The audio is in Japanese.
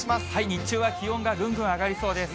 日中は気温がぐんぐん上がりそうです。